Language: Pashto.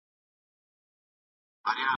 ما یو ښکلی شی جوړ کړی دی.